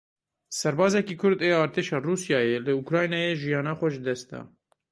Serbazekî Kurd ê artêşa Rûsyayê li Ukraynayê jiyana xwe ji dest da.